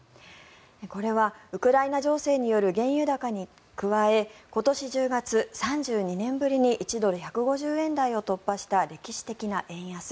これはウクライナ情勢による原油高に加え今年１０月、３２年ぶりに１ドル＝１５０円台を突破した歴史的な円安。